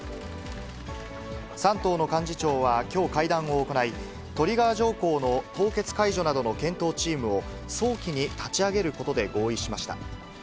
３党の幹事長はきょう、会談を行い、トリガー条項の凍結解除などの検討チームを、早期に立ち上げることで合意しました。